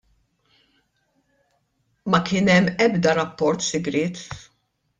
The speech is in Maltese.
Ma kien hemm ebda rapport sigriet.